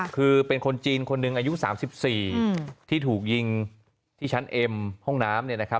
คือเป็นคนจีนคนหนึ่งอายุ๓๔ที่ถูกยิงที่ชั้นเอ็มห้องน้ำ